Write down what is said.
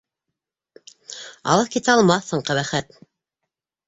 Алыҫ китә алмаҫһың, ҡәбәхәт!